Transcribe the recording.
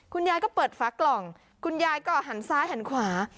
คุณยายก็เปิดฝากล่องคุณยายก็หันซ้ายหันขวา